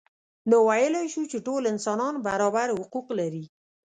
نو ویلای شو چې ټول انسانان برابر حقوق لري.